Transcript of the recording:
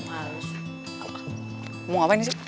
mau ngapain sih